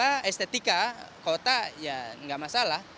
karena estetika kota ya nggak masalah